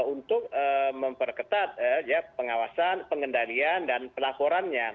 untuk memperketat pengawasan pengendalian dan pelaporannya